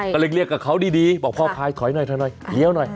ก็เลยเรียกกับเขาดีบอกพ่อพลายถอยหน่อยเดี๋ยวหน่อย